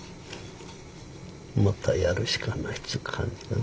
またやるしかないっちゅう感じかな。